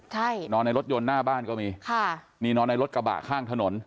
ใช่นอนในรถยนต์หน้าบ้านก็มีค่ะนี่นอนในรถกระบะข้างถนน